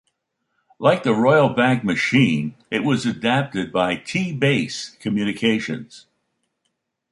Like the Royal Bank machine, it was adapted by T-Base Communications.